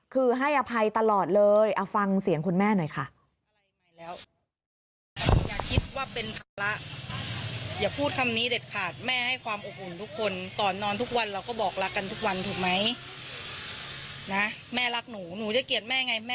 คือให้อภัยตลอดเลยเอาฟังเสียงคุณแม่หน่อยค่ะ